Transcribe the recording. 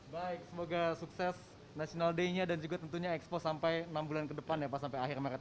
baik semoga sukses national day nya dan juga tentunya expo sampai enam bulan ke depan ya pak sampai akhir maret